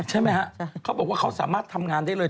ใช่ไหมฮะเขาบอกว่าเขาสามารถทำงานได้เลย